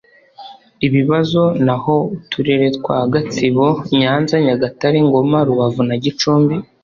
ibibazo naho uturere twa gatsibo nyanza nyagatare ngoma rubavu na gicumbi